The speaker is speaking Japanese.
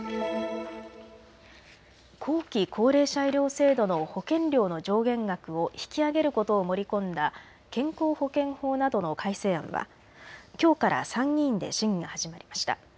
後期高齢者医療制度の保険料の上限額を引き上げることを盛り込んだ健康保険法などの改正案はきょうから参議院で審議が始まりました。